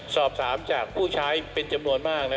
สอบถามจากผู้ใช้เป็นจำนวนมากนะ